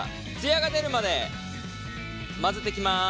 艶が出るまで混ぜていきます。